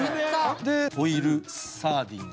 オイルサーディン。